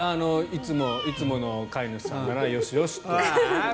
いつもの飼い主さんだなよしよしって。